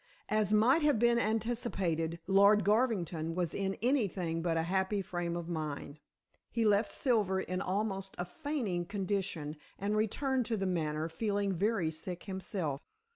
As might have been anticipated, Lord Garvington was in anything but a happy frame of mind. He left Silver in almost a fainting condition, and returned to The Manor feeling very sick himself.